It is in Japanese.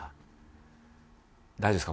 大丈夫ですか？